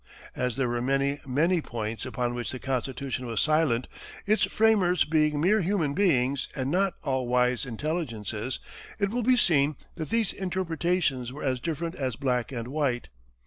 As there were many, many points upon which the Constitution was silent its framers being mere human beings and not all wise intelligences it will be seen that these interpretations were as different as black and white.